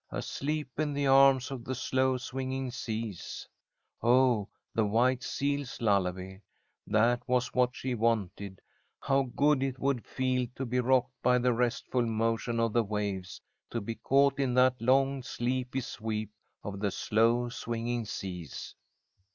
"Asleep in the arms of the slow swinging seas." Oh! The white seal's lullaby. That was what she wanted. How good it would feel to be rocked by the restful motion of the waves, to be caught in that long sleepy sweep of the slow swinging seas.